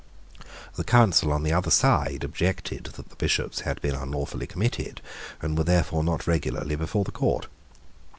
The counsel on the other side objected that the Bishops had been unlawfully committed, and were therefore not regularly before the Court.